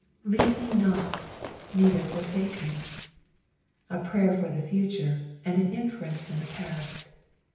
" Leave me not, ruither fortake ma." A prayer for the future, and an inference from the past.